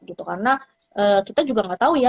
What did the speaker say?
gitu karena kita juga gak tau ya